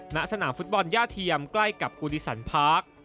ณสนามฟุตบอลย่าเทียมใกล้กับกูดิสันพาร์ค